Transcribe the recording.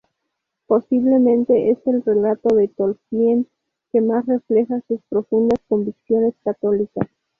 Posiblemente es el relato de Tolkien que más refleja sus profundas convicciones católicas.